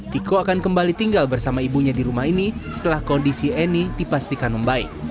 tiko akan kembali tinggal bersama ibunya di rumah ini setelah kondisi eni dipastikan membaik